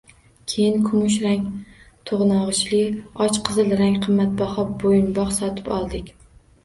Keyin kumushrang to`g`nog`ichli, och qizil rang qimmatbaho bo`yinbog` sotib oldik